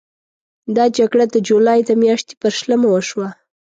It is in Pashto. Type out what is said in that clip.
دا جګړه د جولای د میاشتې پر شلمه وشوه.